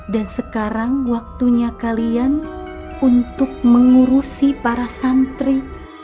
dan sekarang waktunya kalian untuk mengurusi para santri